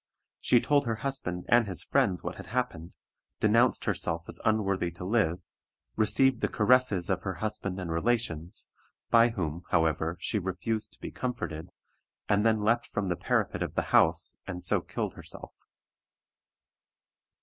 She told her husband and his friends what had happened, denounced herself as unworthy to live, received the caresses of her husband and relations, by whom, however, she refused to be comforted, and then leaped from the parapet of the house, and so killed herself.